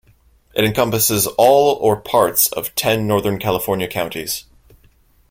It encompasses all or parts of ten Northern California counties.